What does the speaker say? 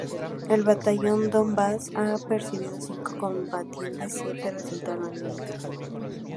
El Batallón "Donbas" ha perdido cinco combatientes, siete resultaron heridos.